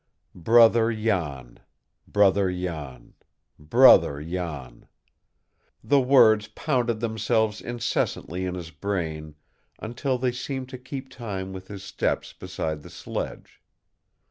Brother Jan, Brother Jan, Brother Jan! The words pounded themselves incessantly in his brain until they seemed to keep time with his steps beside the sledge.